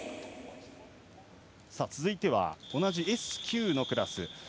続いて、同じＳ９のクラス。